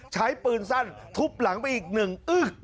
ใช้ปืนสั้นทุบหลังไปอีกหนึ่งอื้อ